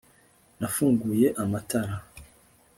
nafunguye amatara